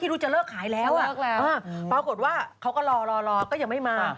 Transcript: คิดดูจะเลิกขายแล้วอ่ะอือเป็นปรากฏว่าเขาก็รอก็ยังไม่มา